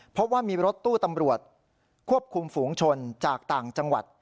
เพราะว่ามีรถตู้ตำรวจควบคุมฝูงชนจากต่างจังหวัด